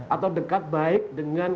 atau dekat baik dengan